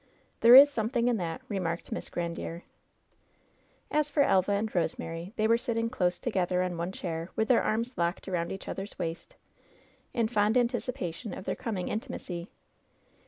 "There is something in that," remarked Miss Gran diere. As for Elva and Rosemary, they were sitting close together on one chair, with their arms locked around each other's waist, in fond anticipation of their coming intimacy.